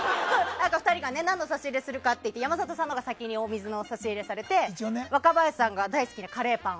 ２人が何の差し入れをするかって話してて先にお水の差し入れをされて若林さんがカレーパンを。